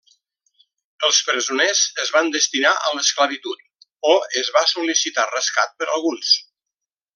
Els presoners es van destinar a l'esclavitud o es va sol·licitar rescat per alguns.